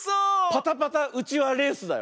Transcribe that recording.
パタパタうちわレースだよ。